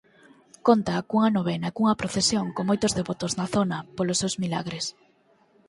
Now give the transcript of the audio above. Conta cunha novena e cunha procesión con moitos devotos na zona polos seus milagres.